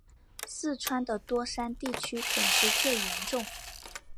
四川的多山地区损失最严重。